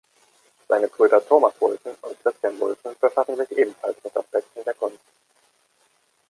Seine Brüder Thomas Wulffen und Christian Wulffen befassen sich ebenfalls mit Aspekten der Kunst.